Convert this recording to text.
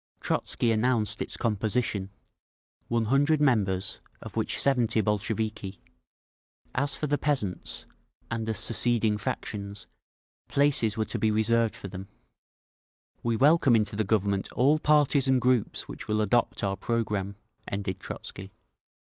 Trotzky announced its composition: 100 members, of which 70 Bolsheviki…. As for the peasants, and the seceding factions, places were to be reserved for them. "We welcome into the Government all parties and groups which will adopt our programme," ended Trotzky.